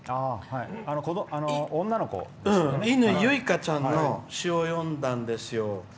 いぬいゆいかちゃんの詩を読んだんですよ。